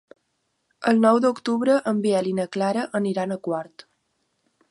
El nou d'octubre en Biel i na Clara aniran a Quart.